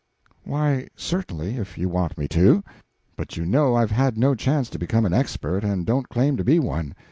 "Why certainly, if you want me to; but you know I've had no chance to become an expert, and don't claim to be one.